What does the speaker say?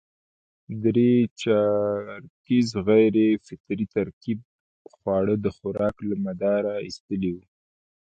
درې چارکیز غیر فطري ترکیب خواړه د خوراک له مداره اېستلي وو.